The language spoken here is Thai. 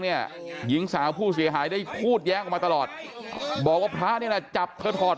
หญิงสาวผู้เสียหายได้พูดแย้งออกมาตลอดบอกว่าพระนี่แหละจับเธอถอด